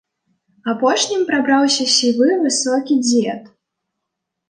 Апошнім прабраўся сівы, высокі дзед.